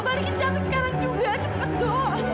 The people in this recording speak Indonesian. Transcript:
balikin cantik sekarang juga cepet do